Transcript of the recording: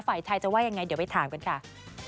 ฝ่ายไทยจะว่ายังไงเดี๋ยวไปถามกันค่ะ